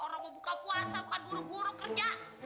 orang mau buka puasa bukan buruk buruk kerja